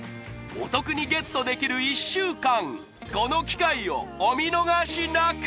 お得にゲットできる１週間この機会をお見逃しなく